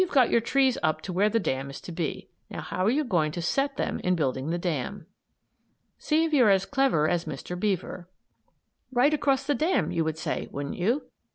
Say you've got your trees up to where the dam is to be; now how are you going to set them in building the dam? SEE IF YOU'RE AS CLEVER AS MR. BEAVER "Right across the dam," you would say, wouldn't you?